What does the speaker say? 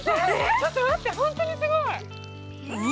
ちょっと待って、本当にすごい。